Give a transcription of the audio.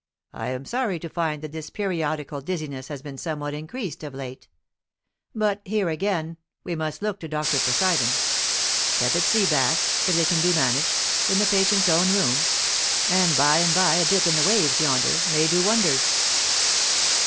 "I am sorry to find that this periodical dizziness has been somewhat increased of late. But here again we must look to Dr. Poseidon. Tepid sea baths, if they can be managed, in the patient's own room; and by and by a dip in the waves yonder, may do wonders."